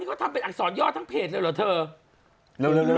นี่เขาทำเป็นอักษรยอดทางเพจเลยเหรอเถอะ